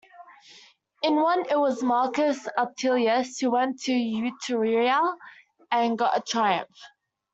In one, it was Marcus Atilius who went to Etruria and got a triumph.